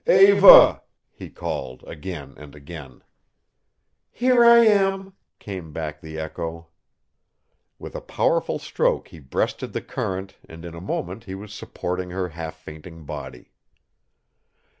"Eva!" he called, again and again. "Here I am," came back the echo. With a powerful stroke he breasted the current and in a moment he was supporting her half fainting body.